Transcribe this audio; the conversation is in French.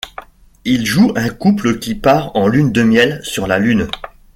Ils jouent un couple qui part en lune de miel sur la Lune.